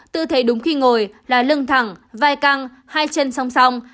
tư thế đúng khi ngồi là lưng thẳng vai căng hai chân song song